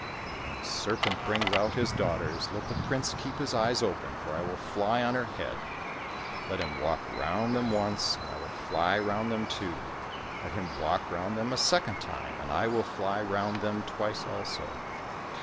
When the serpent brings out his daughters, let the prince keep his eyes open, for I will fly on her head. Let him walk round them once, and I will fly round them too. Let him walk round them a second time, and I will fly round them twice also.